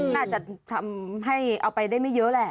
น่าจะทำให้เอาไปได้ไม่เยอะแหละ